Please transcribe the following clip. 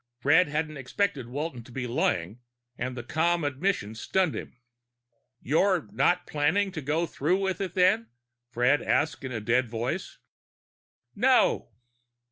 Fred hadn't expected Walton to be lying. And the calm admission stunned him. "You're not planning to go through with it, then?" Fred asked in a dead voice. "No."